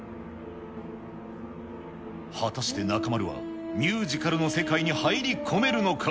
果たして中丸は、ミュージカルの世界に入り込めるのか。